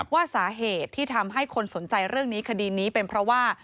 ว่าสาเหตุที่ทำให้คนสนใจเรื่องนี้คดีนี้เป็นเพราะว่า